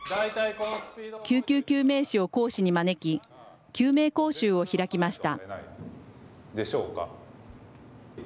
救急救命士を講師に招き、救命講習を開きました。